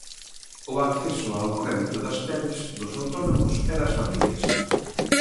O acceso ao crédito das pemes, dos autónomos e das familias.